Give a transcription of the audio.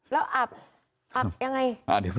แล้วอาบยังไง